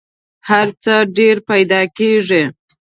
هر څه ډېر پیدا کېږي .